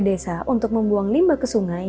desa untuk membuang limba ke sungai